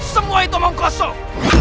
semua itu mengkosok